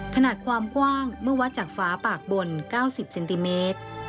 ขนาดความกว้างเมื่อวัดจากฝาปากบน๙๐เซนติเมตร